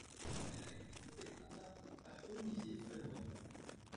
Elle a été fondée à Paris par Olivier Fenoy.